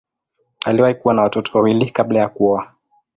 Aliwahi kuwa na watoto wawili kabla ya kuoa.